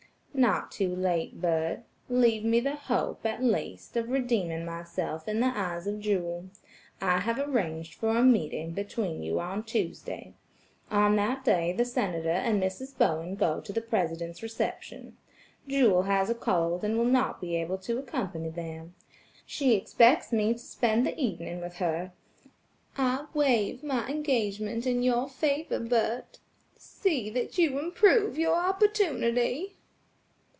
"Not too late, Bert; leave me the hope, at least, of redeeming myself in the eyes of Jewel. I have arranged for a meeting between you on Tuesday. On that day the Senator and Mrs. Bowen go to the President's reception. Jewel has a cold and will not be able to accompany them. She expects me to spend the evening with her. I waive my engagement in your favor, Bert; see that you improve your opportunity."